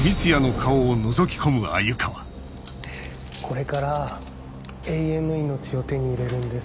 これから永遠の命を手に入れるんです。